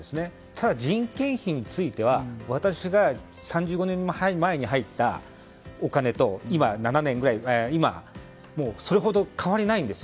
ただ、人件費については私が３５年前に入ったお金と今、それほど変わりがないんです。